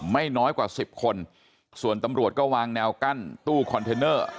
ไม่น้อยกว่าสิบคนส่วนตำรวจก็วางแนวกั้นตู้คอนเทนเนอร์